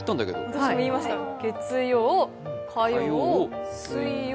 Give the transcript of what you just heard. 私も言いました、月曜、火曜、水曜、